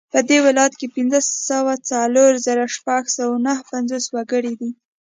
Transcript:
په دې ولایت کې پنځه سوه څلور زره شپږ سوه نهه پنځوس وګړي دي